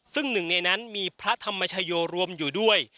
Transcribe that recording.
ซึ่งหนึ่งในนั้นมีพระธรรมชโยรวมอยู่ด้วย